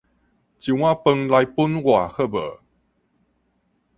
一碗飯來分我好無？